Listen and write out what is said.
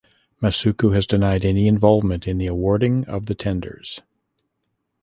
Masuku has denied any involvement in the awarding of the tenders.